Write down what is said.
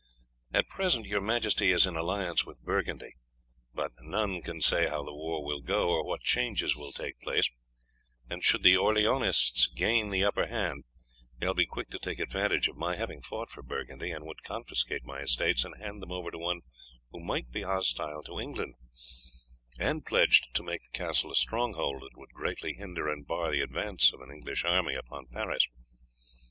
At present your majesty is in alliance with Burgundy, but none can say how the war will go, or what changes will take place; and should the Orleanists gain the upper hand, they will be quick to take advantage of my having fought for Burgundy, and would confiscate my estates and hand them over to one who might be hostile to England, and pledged to make the castle a stronghold that would greatly hinder and bar the advance of an English army upon Paris.